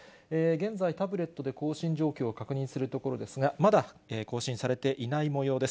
現在、タブレットで更新状況を確認するところですが、まだ更新されていないもようです。